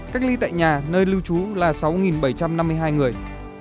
cách ly tại nhà nơi lưu trú là sáu bảy trăm năm mươi hai người